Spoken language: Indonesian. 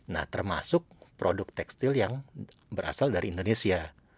nah termasuk produk tekstil yang berasal dari indonesia